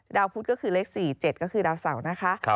พุทธก็คือเลข๔๗ก็คือดาวเสานะคะ